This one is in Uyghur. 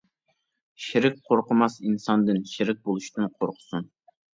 شېرىك قورقماق ئىنساندىن شېرىك بولۇشتىن قورقسۇن!